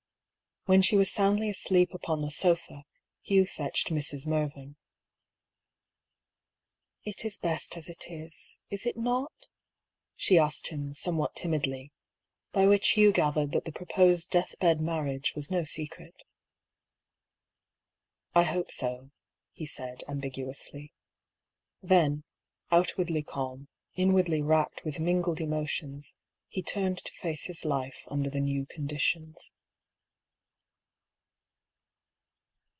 When she was soundly asleep upon the sofa, Hugh fetched Mrs. Mervyn. ^' It is best as it is, is it not ?" she asked him, some what timidly, by which Hugh gathered that the pro posed death bed marriage was no secret. " I hope so," he said, ambiguously. Then, outwardly calm, inwardly racked with mingled emotions, he turned to face his life under the new conditions.